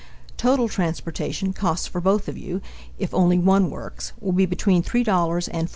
Total transportation costs for both of you if only one works will be between $3 and $4.